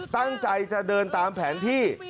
ตั้งใจจะเดินตามแผนที่